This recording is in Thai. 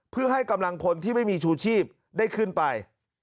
เพื่อให้กำลังพลที่ไม่มีชูชีพได้ขึ้นไป